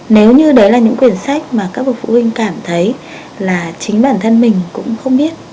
nếu như đấy là những quyển sách mà các bậc phụ huynh cảm thấy là chính bản thân mình cũng không biết